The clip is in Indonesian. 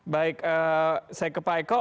baik saya ke pak eko